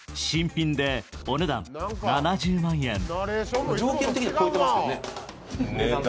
新品でお値段７０万円。